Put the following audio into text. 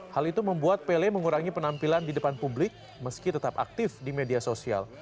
hal itu membuat pele mengurangi penampilan di depan publik meski tetap aktif di media sosial